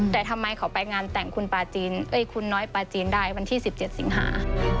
แต่ทำไมเขาไปงานแต่งคุณปาจีนคุณน้อยปลาจีนได้วันที่๑๗สิงหา